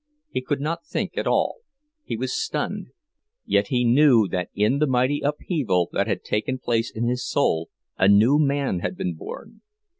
He could not think at all, he was stunned; yet he knew that in the mighty upheaval that had taken place in his soul, a new man had been born.